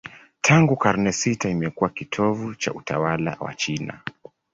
Tangu karne sita imekuwa kitovu cha utawala wa China.